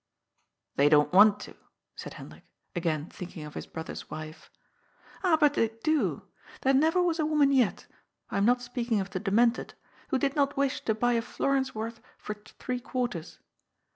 " They don't want to," said Hendrik, again thinking of his brother's wife. " Ah, but they do. There never was a woman yet — I am not speaking of the demented — ^who did not wish to buy a florin's worth for * three quarters.'